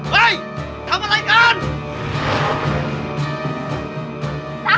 เฮ้ยทำอะไรกัน